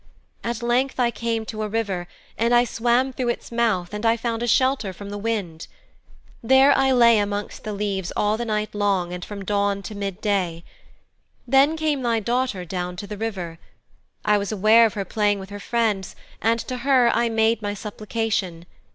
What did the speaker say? At length I came to a river, and I swam through its mouth and I found a shelter from the wind. There I lay amongst the leaves all the night long and from dawn to mid day. Then came thy daughter down to the river. I was aware of her playing with her friends, and to her I made my supplication.